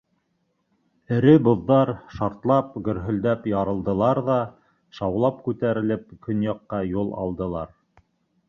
Эре боҙҙар, шартлап, гөрһөлдәп ярылдылар ҙа, шаулап күтәрелеп, көньяҡҡа юл алдылар.